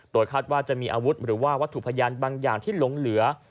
โดยคาดว่าจะมีอาวุธหรือว่าวัตถุพยานบางอย่างที่หลงเหลือ